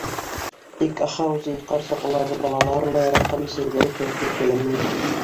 Тик Ахаузи ҡарсыҡ уларҙы балаларылай яратҡан бесәйҙәре кеүек иркәләмәй.